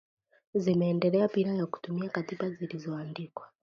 zimeendelea bila ya kutumia katiba zilizoandikwa